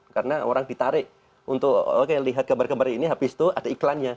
karena orang ditarik untuk oke lihat gambar gambar ini habis itu ada iklannya